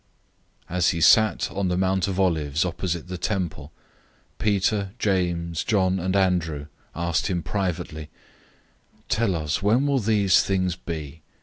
013:003 As he sat on the Mount of Olives opposite the temple, Peter, James, John, and Andrew asked him privately, 013:004 "Tell us, when will these things be?